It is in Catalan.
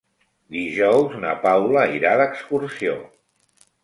Dijous na Paula irà d'excursió.